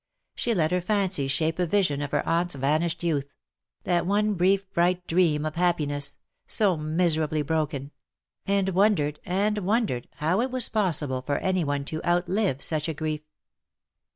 She let her fancies shape a vision of her aunt's vanished youth — that one brief bright dream of happiness, so miserably broken !— and wondered and wondered how it was possible for any one to outhve such a grief.